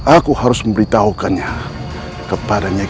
aku harus memberitahukannya kepadanya